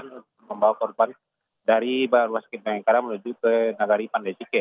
untuk membawa korban dari banar masjid bangengkara menuju ke daerah pandai sike